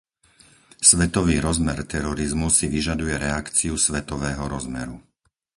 Svetový rozmer terorizmu si vyžaduje reakciu svetového rozmeru.